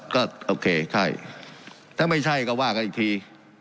ก็โอเคใช่ถ้าไม่ใช่ก็ว่ากันอีกที